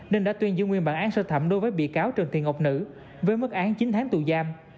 nên đã tuyên giữ nguyên bản án sơ thẩm đối với bị cáo trần tiền ngọc nữ với mức án chín tháng tù giam